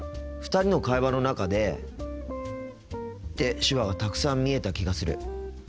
２人の会話の中でって手話がたくさん見えた気がする。